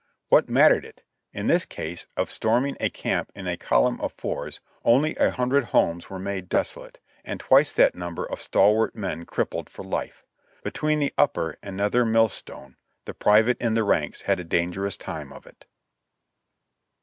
What mattered it? In this case of storming a camp in a column of fours, only a hundred homes were made desolate, and twice that number of stalwart men crippled for life. Between the upper and nether millstone the private in the ranks had a dangerous time of it.